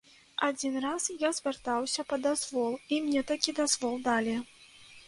Адзін раз я звяртаўся па дазвол, і мне такі дазвол далі.